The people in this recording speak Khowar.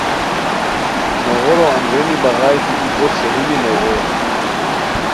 نوغٔورو اندرینی بغائےکی ای بو ݰیلی نوغور